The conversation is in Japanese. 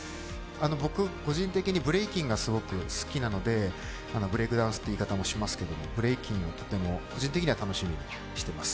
僕、個人的にブレイキンがすごく好きなので、ブレークダンスという言い方もしますがブレイキンを個人的には楽しみにしています。